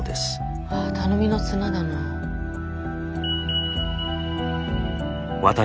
あ頼みの綱だな。